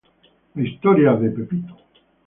La historia de